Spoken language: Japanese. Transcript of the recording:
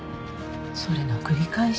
それの繰り返し